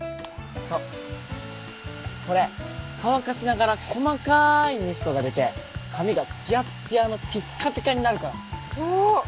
そうこれ乾かしながら細かーいミストが出て髪がツヤッツヤのピッカピカになるからあっ